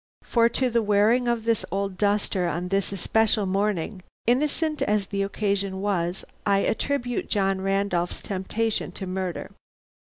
For to the wearing of this old duster on this especial morning, innocent as the occasion was, I attribute John Randolph's temptation to murder.